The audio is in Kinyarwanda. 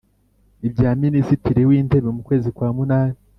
i bya minisitiri w'intebe mu kwezi kwa munani